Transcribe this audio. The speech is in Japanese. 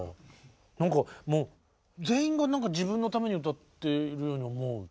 何かもう全員が自分のために歌っているように思うって。